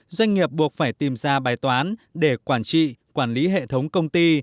doanh nghiệp buộc phải tìm ra bài toán để quản trị quản lý hệ thống công ty